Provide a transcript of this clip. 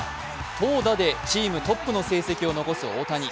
投打でチームトップの成績を残す大谷。